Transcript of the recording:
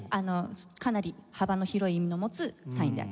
かなり幅の広い意味を持つサインではありますね。